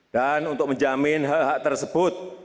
dan untuk menjamin hak hak tersebut